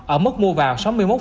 ở mức mua vào sáu mươi một bảy